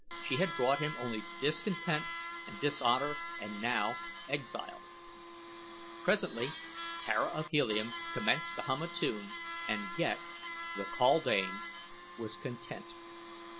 She had brought him only discontent and dishonor and now exile. Presently Tara of Helium commenced to hum a tune and Ghek, the kaldane, was content.